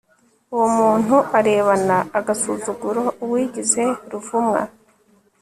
uwo muntu arebana agasuzuguro uwigize ruvumwa